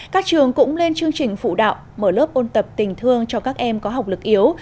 các trường cũng lên chương trình phụ đạo mở lớp ôn tập tình thương cho các em có học lực yếu